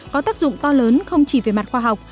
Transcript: có tác dụng to lớn không chỉ về mặt khoa học